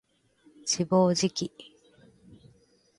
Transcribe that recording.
自暴自棄